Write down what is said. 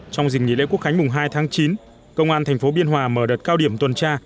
trong dịp nghỉ lễ quốc khánh mùng hai tháng chín công an thành phố biên hòa mở đợt cao điểm tuần tra